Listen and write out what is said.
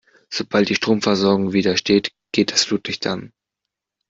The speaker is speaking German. Sobald die Stromversorgung wieder steht, geht das Flutlicht an.